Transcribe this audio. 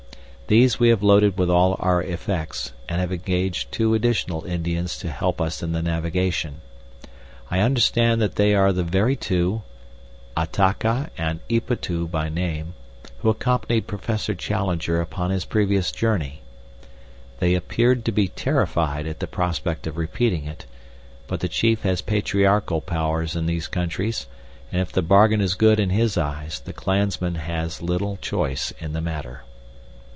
These we have loaded with all our effects, and have engaged two additional Indians to help us in the navigation. I understand that they are the very two Ataca and Ipetu by name who accompanied Professor Challenger upon his previous journey. They appeared to be terrified at the prospect of repeating it, but the chief has patriarchal powers in these countries, and if the bargain is good in his eyes the clansman has little choice in the matter.